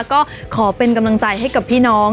ก็ขอเป็นกำลังใจให้กับพี่น้อง